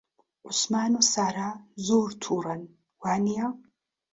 عوسمان و سارا زۆر تووڕەن، وانییە؟